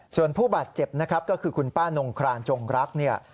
จนผู้บาดเจ็บนะครับก็คือคุณป้านงคลานจงรัก